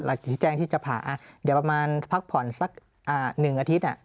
หลักอย่างที่แจ้งที่จะผ่าอ่ะเดี๋ยวประมาณพักผ่อนสักอ่าหนึ่งอาทิตย์อ่ะ